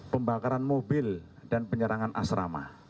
pembakaran mobil dan penyerangan asrama